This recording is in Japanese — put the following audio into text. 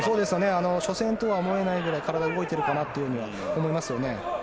初戦とは思えないぐらい体が動いているかなと思いますよね。